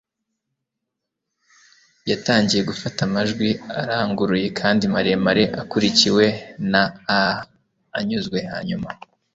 yatangiye gufata amajwi aranguruye kandi maremare akurikiwe na ahh anyuzwe! hanyuma